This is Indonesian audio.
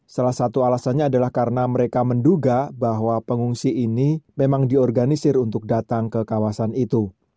salah satu alasannya adalah karena mereka menduga bahwa pengungsi ini memang diorganisir untuk datang ke kawasan itu